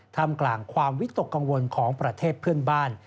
ทำกลางความวิตกกังวลของประเทศเพื่อนบ้าน